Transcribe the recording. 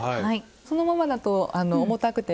そのままだと重たくて。